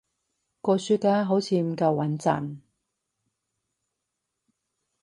個書架好似唔夠穏陣